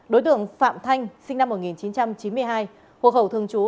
đối tượng phạm thanh sinh năm một nghìn chín trăm chín mươi hai hộ khẩu thường trú